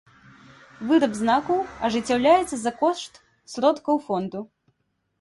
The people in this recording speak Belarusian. Выраб знакаў ажыццяўляецца за кошт сродкаў фонду.